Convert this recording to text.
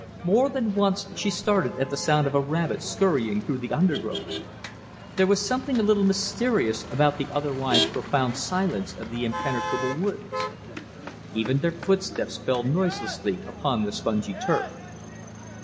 More than once she started at the sound of a rabbit scurrying through the undergrowth. There was something a little mysterious about the otherwise profound silence of the impenetrable woods. Even their footsteps fell noiselessly upon the spongy turf.